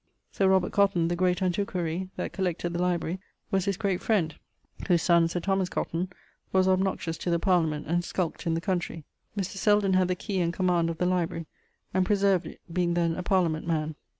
Sir Robert Cotton (the great antiquary, that collected the library) was his great friend, whose son, Sir Thomas Cotton, was obnoxious to the Parliament, and skulked in the countrey: Mr. Selden had the key and command of the library, and preserved it, being then a Parliament man.